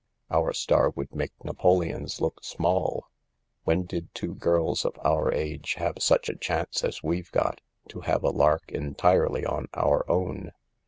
Our star would make Napoleon's look small. When did two girls of our age have such a chance as we've got— to have a lark entirely on our own